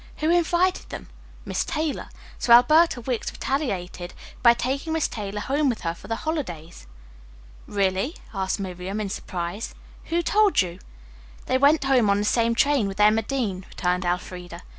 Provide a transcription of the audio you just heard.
Who invited them? Miss Taylor. So Alberta Wicks retaliated by taking Miss Taylor home with her for the holidays." "Really?" asked Miriam, in surprise. "Who told you?" "They went home on the same train with Emma Dean," returned Elfreda.